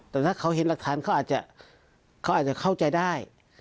แต่ถ้าเขาเห็นรักฐานเขาอาจจะเข้าใจได้